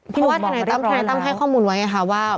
เพราะว่าท่านไหนตั้งให้ข้อมูลไว้นะคะว่า